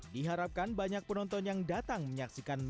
diharapkan banyak penonton yang datang menyaksikan